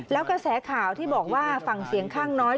แล้วกระแสข่าวที่บอกว่าฝั่งเสียงข้างน้อย